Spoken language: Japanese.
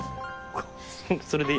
それでいいの？